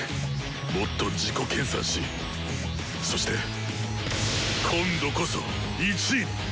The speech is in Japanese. もっと自己研さんしそして今度こそ１位に！